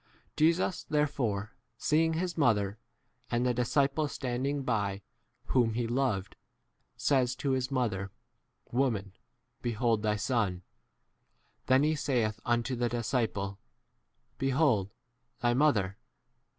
Jesus therefore, seeing his mother, and the disciple standing by whom he loved, says to his mother, Woman, 2 7 behold thy Son. Then he saithunto the disciple, Behold thy mother.